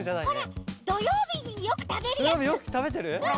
どようびによくたべるやつ！